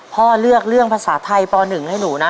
พ่อเลือกเรื่องภาษาไทยป๑ให้หนูนะ